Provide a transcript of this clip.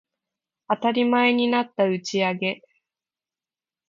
当たり前になった打ち上げ